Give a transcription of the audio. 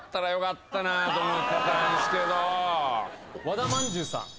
和田まんじゅうさん。